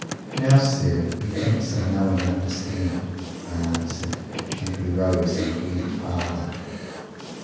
Now, sir, methinks I know and understand, I answered. And we rose and went farther.